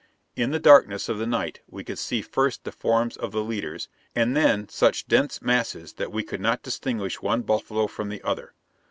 In the darkness of the night we could see first the forms of the leaders, and then such dense masses that we could not distinguish one buffalo from the other.